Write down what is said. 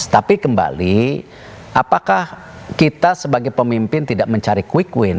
tapi kembali apakah kita sebagai pemimpin tidak mencari quick win